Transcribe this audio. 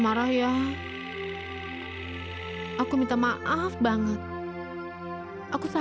sumbi abah pulang dulu ya